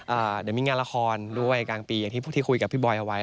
อ่าเดี๋ยวมีงานละครด้วยกลางปีอย่างที่ผู้ที่คุยกับพี่บอยเอาไว้